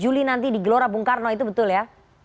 dua juli nanti di gelora bung karno itu betul ya